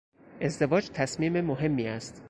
ازدواج تصمیم مهمی است.